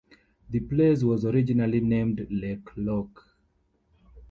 The place was originally named Lake Locke.